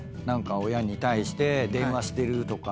親に対して電話してるとか。